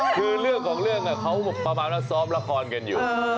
คือเรื่องของเรื่องเขาประมาณว่าซ้อมละครกันอยู่